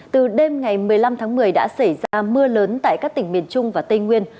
từ đêm ngày một mươi năm tháng một mươi đã xảy ra mưa lớn tại các tỉnh miền trung và tây nguyên